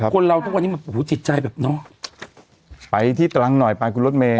คือคนเราต้องกว่านี้มันหูจิตใจแบบเนาะไปที่ตรังหน่อยป่าคุณรถเมย์